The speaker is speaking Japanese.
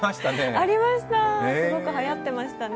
すごくはやってましたね。